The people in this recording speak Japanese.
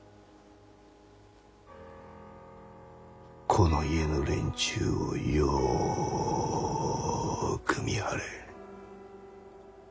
この家の連中をよく見張れ。